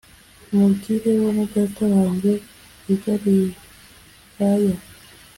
mubwire bene Data bajye i Galilaya